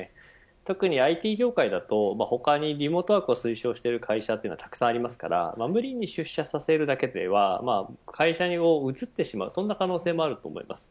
特にＩＴ業界だと、他にリモートワークを推奨している会社はたくさんありますから無理に出社させるだけでは会社を移ってしまうという可能性もあると思います。